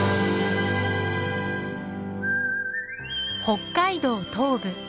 北海道東部